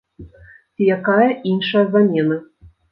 Ці якая іншая замена.